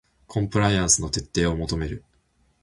コンプライアンスの徹底を求める